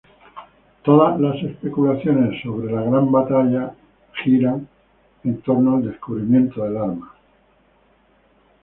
Todas las especulaciones acerca de la batalla giran en torno al descubrimiento del arma.